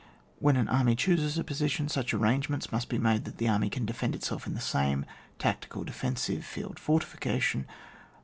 When an army chooses a position, such arrangements must be made that the army can defend itself in the same — tactical defensive— field fortification.